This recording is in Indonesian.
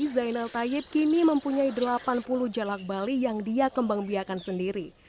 zainal tayyib kini mempunyai delapan puluh jelak bali yang dia kembang biakan sendiri